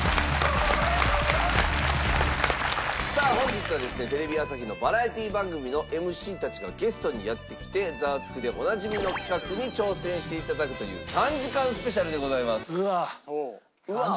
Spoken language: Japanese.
さあ本日はですねテレビ朝日のバラエティ番組のＭＣたちがゲストにやって来て『ザワつく！』でおなじみの企画に挑戦していただくという３時間スペシャルでございます。